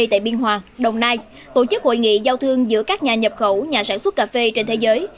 tại biên hoàng đồng nai tổ chức hội nghị giao thương giữa các nhà nhập khẩu nhà sản xuất cà phê trên thế giới